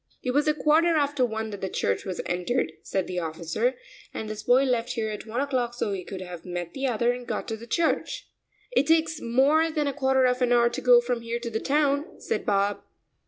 "It was a quarter after one that the church was entered," said the officer, "and this boy left here at one o'clock so he could have met the other and got to the church." "It takes more than a quarter of an hour to go from here to the town," said Bob.